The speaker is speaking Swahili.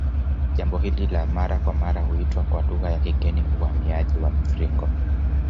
Jambo hili la mara kwa mara huitwa kwa lugha ya kigeni uhamiaji wa mviringo